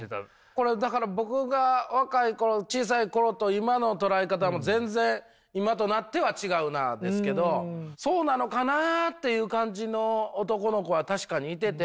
これだから僕が若い頃小さい頃と今の捉え方も全然今となっては違うなですけどそうなのかなという感じの男の子は確かにいてて。